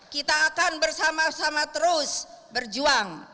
kita akan bersama sama terus berjuang